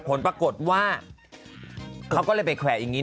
ผลปรากฏว่าเขาก็เลยไปแขวะอย่างนี้